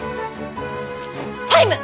タイム！